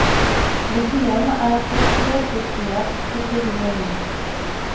Des dilemmes, à la fois fugaces et opiniâtres, flottaient devant lui.